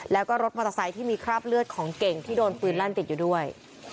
แล้วก็รถมอเตอร์ไซค์ที่มีคราบเลือดของเก่งที่โดนปืนลั่นติดอยู่ด้วย